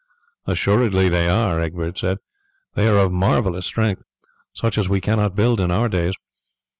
"Assuredly they are," Egbert said. "They are of marvellous strength, such as we cannot build in our days.